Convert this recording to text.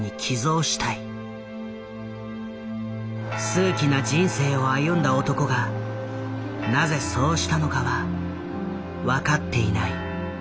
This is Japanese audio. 数奇な人生を歩んだ男がなぜそうしたのかは分かっていない。